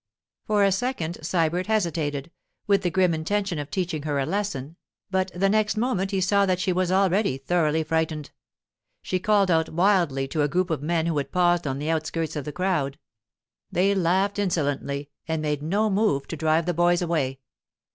For a second Sybert hesitated, with the grim intention of teaching her a lesson, but the next moment he saw that she was already thoroughly frightened. She called out wildly to a group of men who had paused on the outskirts of the crowd; they laughed insolently, and made no move to drive the boys away.